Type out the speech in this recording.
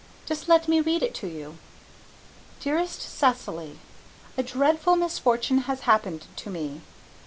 Just let me read it to you: DEAREST CECILY: A DREADFUL MISFORTUNE has happened to me.